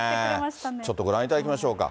ちょっとご覧いただきましょうか。